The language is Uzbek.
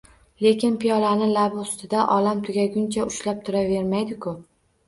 Lekin piyolani labi ustida olam tugaguncha ushlab turavermaydi-ku